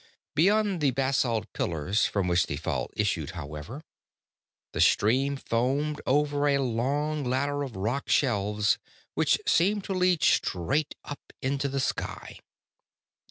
Beyond the basalt pillars from which the fall issued, however, the stream foamed over a long ladder of rock shelves which seemed to lead straight up into the sky.